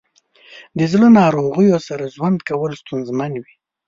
د زړه ناروغیو سره ژوند کول ستونزمن وي.